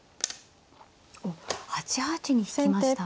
おっ８八に引きました。